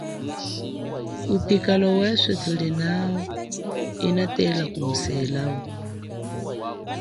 Upikalo weswe tulinao inatela kumuselao.